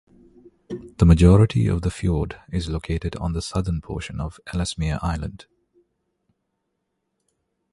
The majority of the fiord is located on the southern portion of Ellesmere Island.